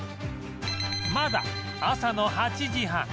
まだ朝の８時半